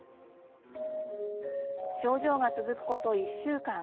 症状が続くこと１週間。